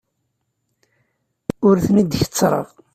Ur ten-id-kettreɣ.